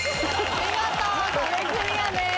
見事壁クリアです。